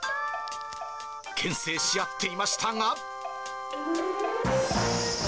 けん制し合っていましたが。